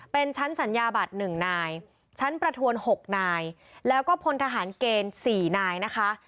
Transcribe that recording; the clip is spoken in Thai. เป็นชั้นสัญญาบัตร๑นายชั้นประทวน๖นายแล้วก็พลทหารเกณฑ์๔นายนะคะ